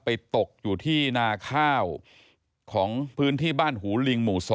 ตกอยู่ที่นาข้าวของพื้นที่บ้านหูลิงหมู่๒